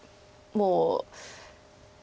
もう？